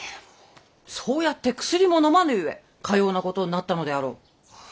そうやって薬も飲まぬゆえかようなことになったのであろう！